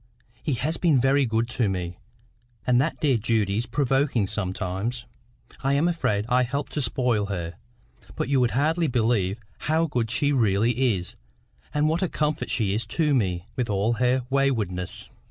He has been very good to me; and that dear Judy is provoking sometimes. I am afraid I help to spoil her; but you would hardly believe how good she really is, and what a comfort she is to me—with all her waywardness."